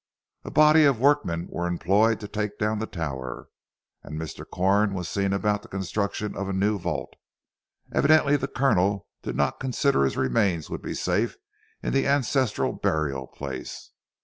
A body of workmen were employed to take down the tower; and Mr. Corn was seen about the construction of a new vault. Evidently the Colonel did not consider that his remains would be safe in the ancestral burial place.